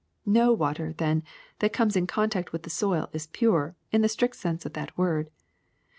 No water, then, that comes in contact with the soil is pure, in the strict sense of that word.